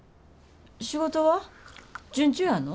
仕事は順調やの？